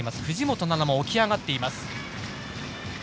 藤本那菜も起き上がっています。